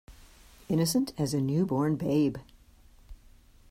Innocent as a new born babe.